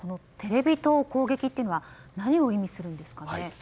テレビ塔を攻撃するというのは何を意味するんですかね。